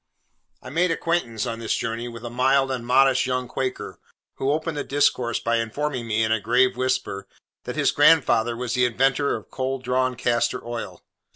I made acquaintance, on this journey, with a mild and modest young quaker, who opened the discourse by informing me, in a grave whisper, that his grandfather was the inventor of cold drawn castor oil.